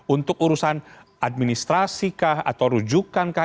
untuk urusan administrasi kah atau rujukan kah